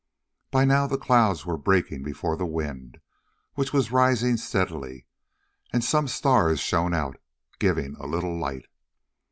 By now the clouds were breaking before the wind, which was rising steadily, and some stars shone out, giving a little light.